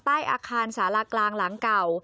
ใต้อาคารสารากลางหลังเก่า